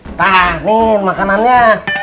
nah niel makanannya